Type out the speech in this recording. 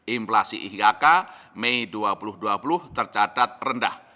inflasi ihk mei dua ribu dua puluh tercatat rendah